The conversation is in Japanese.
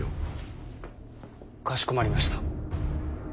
かしこまりました。